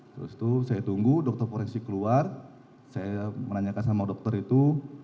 terus itu saya tunggu dokter forensik keluar saya menanyakan sama dokter itu